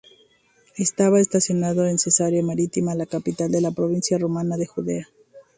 Estaba estacionado en Cesarea Marítima, la capital de la provincia romana de Judea.